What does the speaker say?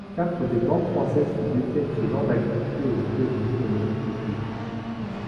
Quatre des banques françaises qui détiennent ce genre d’activité aux États-Unis ont été touchées.